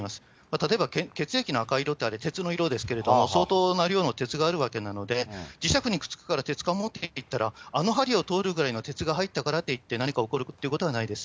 例えば血液の赤い色って、あれ、鉄の色ですけど、相当な量の鉄があるわけで、磁石にくっつくから鉄からといったら、あの針を通るぐらいの鉄が入ったからといって、何か起こるってことはないです。